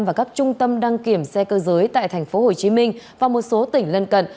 và các trung tâm đăng kiểm xe cơ giới tại tp hcm và một số tỉnh lân cận